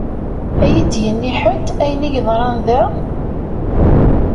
Ad iyi-d-yini ḥedd ayen i yeḍran da?